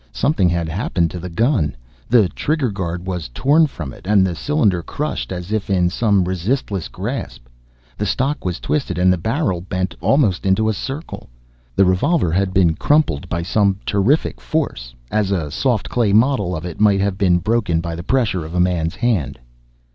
Something had happened to the gun. The trigger guard was torn from it, and the cylinder crushed as if in some resistless grasp; the stock was twisted, and the barrel bent almost into a circle. The revolver had been crumpled by some terrific force as a soft clay model of it might have been broken by the pressure of a man's hand.